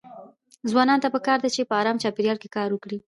ځوانانو ته پکار ده چې په ارام چاپيريال کې کار وکړي.